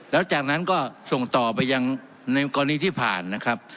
แล้วจากนั้นก็ส่งต่อไปยังในกรณีที่ผ่านนะครับ